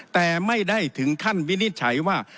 แต่ไม่ได้ถึงขั้นวินิจฉัยว่า